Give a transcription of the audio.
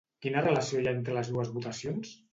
Quina relació hi ha entre les dues votacions?